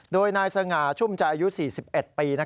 โดยนายสง่าชุ่มใจอายุ๔๑ปี